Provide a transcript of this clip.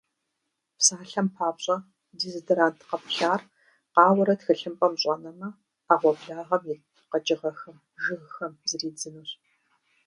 Псалъэм папщӏэ, дезодорант къэплъар къауэрэ тхылъымпӏэм щӏэнэмэ, ӏэгъуэблагъэм ит къэкӏыгъэхэм, жыгхэм зридзынущ.